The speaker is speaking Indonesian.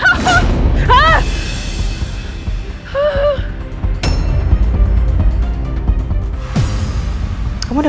kayak suara mama deh